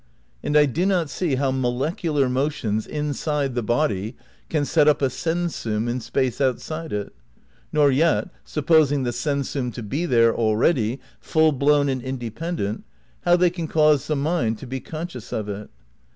And I do not see how molecular motions, inside the body, can set up a sensum in space outside it ; nor yet, supposing the seM siim to be there, already, full blown and independent, how they can cause the mind to be conscious of it.